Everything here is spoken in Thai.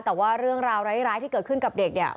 แต่ว่าเรื่องราวร้ายที่เกิดขึ้นกับเด็กเนี่ย